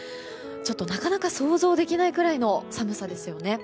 なかなか想像できないくらいの寒さですよね。